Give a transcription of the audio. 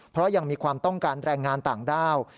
เพราะยังมีความต้องการแรงงานต่างด้าว